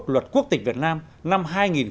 luật quốc tịch việt nam năm hai nghìn tám